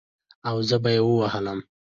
او زه به يې ووهلم.